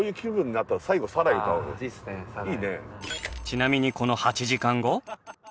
ちなみにこの８時間後。